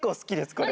これ。